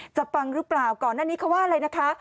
ปังหรือเปล่าก่อนหน้านี้เขาว่าอะไรนะคะ